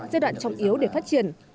giai đoạn trọng yếu để phát triển